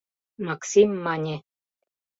— Максим мане.